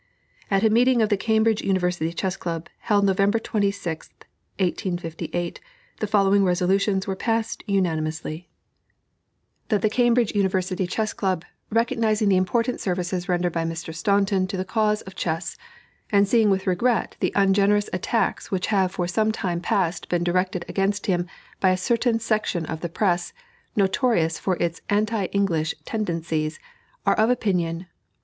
At a meeting of the Cambridge University Chess Club, held November 26, 1858, the following resolutions were passed unanimously: "That the Cambridge University Chess Club, recognizing the important services rendered by Mr. Staunton to the cause of chess, and seeing with regret the ungenerous attacks which have for some time past been directed against him by a certain section of the press, notorious for its anti English tendencies, are of opinion "1.